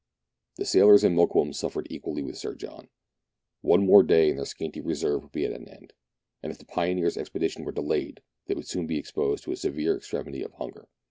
The sailors and Mokoum suffered equally with Sir John. One more day and their scanty reserve would be at an end, and if the pioneer's expedition were delayed, they would soon be exposed to a severe extremity of hunger.